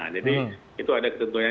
jadi itu ada ketentuan